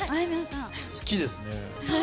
好きですね。